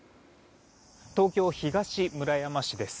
東京・東村山市です。